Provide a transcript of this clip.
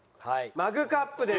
マグカップです。